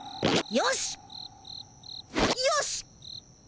よし！